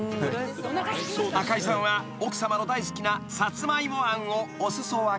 ［赤井さんは奥さまの大好きなさつまいもあんをお裾分け］